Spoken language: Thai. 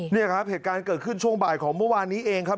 นี่ครับเหตุการณ์เกิดขึ้นช่วงบ่ายของเมื่อวานนี้เองครับ